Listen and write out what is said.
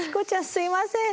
すいません。